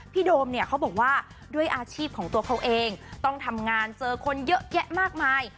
โดมเนี่ยเขาบอกว่าด้วยอาชีพของตัวเขาเองต้องทำงานเจอคนเยอะแยะมากมาย